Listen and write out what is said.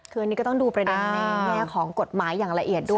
คืออันนี้ก็ต้องดูประเด็นในแง่ของกฎหมายอย่างละเอียดด้วย